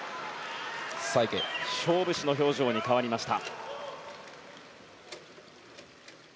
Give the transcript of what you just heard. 勝負師の表情に変わりました。